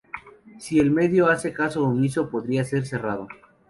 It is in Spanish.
Si el medio hace caso omiso, podría ser cerrado.